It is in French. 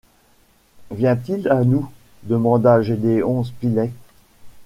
Vient-il à nous? demanda Gédéon Spilett.